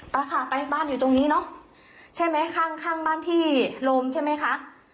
ไปค่ะไปบ้านอยู่ตรงนี้เนอะใช่ไหมข้างข้างบ้านพี่ลมใช่ไหมคะ